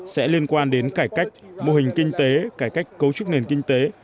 sẽ liên quan đến cải cách mô hình kinh tế cải cách cấu trúc nền kinh tế